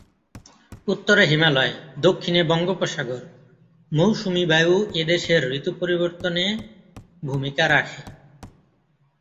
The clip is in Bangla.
উত্তরে হিমালয়, দক্ষিনে বঙ্গোপসাগর, মৌসুমি বায়ু এদেশের ঋতু পরিবর্তনে ভূমিকা রাখে।